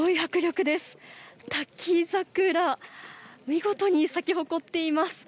見事に咲き誇っています。